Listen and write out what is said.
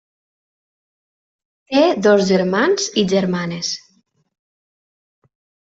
Té dos germans i germanes.